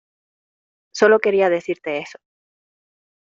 Sólo quería decirte eso.